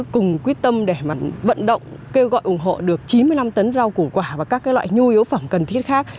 cùng quyết tâm để vận động kêu gọi ủng hộ được chín mươi năm tấn rau củ quả và các loại nhu yếu phẩm cần thiết khác